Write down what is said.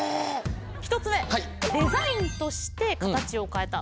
１つ目デザインとして形を変えた。